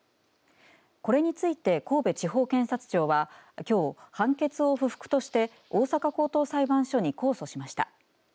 これについて、神戸地方検察庁はきょう判決を不服として大阪高等裁判所に控訴しました。